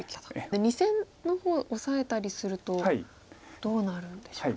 ２線の方オサえたりするとどうなるんでしょうか？